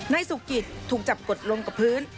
นายสุกิตถูกจับกดลงกับพื้น